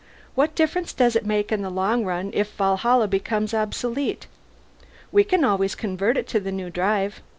What difference does it make in the long run if the Valhalla becomes obsolete? We can always convert it to the new drive.